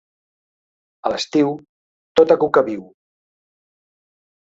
A l'estiu, tota cuca viu.